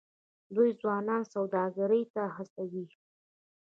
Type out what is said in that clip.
دوی ځوانان سوداګرۍ ته هڅوي.